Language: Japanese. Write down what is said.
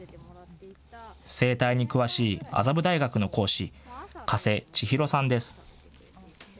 生態に詳しい麻布大学の講師、加瀬ちひろさんです。